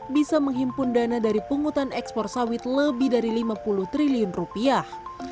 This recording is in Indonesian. bisa menghimpun dana dari pungutan ekspor sawit lebih dari lima puluh triliun rupiah